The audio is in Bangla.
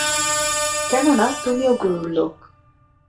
কেননা তুমিও গুরুর লোক।